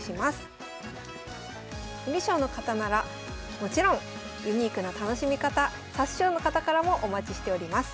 観る将の方ならもちろんユニークな楽しみ方指す将の方からもお待ちしております。